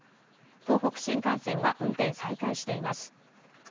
東北新幹線は運転再開しています。